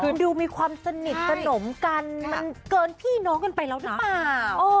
คุณดูมีความสนิทสนมกันมันเกินพี่น้องกันไปแล้วหรือเปล่า